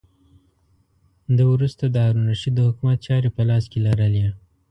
ده وروسته د هارون الرشید د حکومت چارې په لاس کې لرلې.